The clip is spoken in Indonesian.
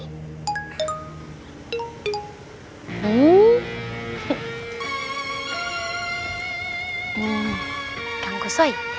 hmm tangguh soi